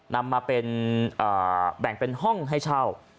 นำมาเป็นแบ่งเป็นห้องให้เช่า